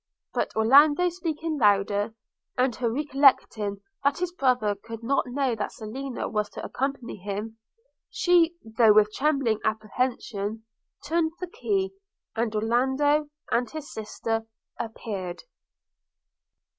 – But Orlando speaking louder, and her recollecting that his brother could not know that Selina was to accompany him, she, though with trembling apprehension, turned the key, and Orlando and his sister appeared.